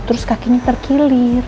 terus kakinya terkilir